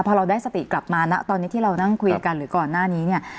พอเราได้สติกลับมานะตอนนี้ที่เรานั่งคุยกันหรือก่อนหน้านี้เนี่ย